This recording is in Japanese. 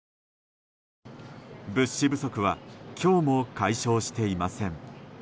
物資不足は今日も解消していません。